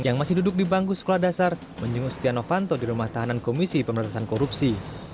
yang masih duduk di bangku sekolah dasar menjenguk setia novanto di rumah tahanan komisi pemerintahan korupsi